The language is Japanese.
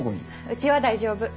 うちは大丈夫。